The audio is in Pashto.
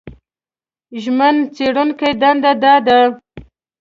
ژمن څېړونکي دنده دا ده